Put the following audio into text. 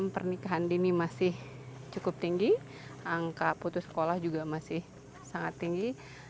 pernikahan dini masih cukup tinggi angka putus sekolah juga masih sangat tinggi